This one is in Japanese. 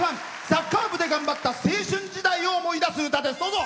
サッカー部で頑張った青春時代を思い出す歌です。